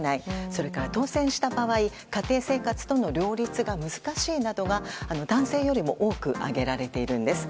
それから、当選した場合家庭生活との両立が難しいなどが、男性よりも多く挙げられているんです。